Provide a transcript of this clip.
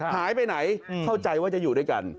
หายไปไหนเข้าใจว่าจะอยู่ด้วยกัน